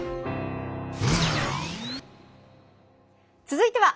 続いては。